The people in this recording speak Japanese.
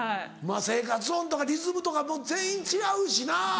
まぁ生活音とかリズムとかも全員違うしな。